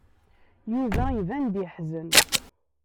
Yuba iban-d yeḥzen.